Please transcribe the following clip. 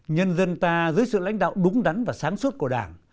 nhân dân ta dưới sự lãnh đạo đúng đắn và sáng suốt của đảng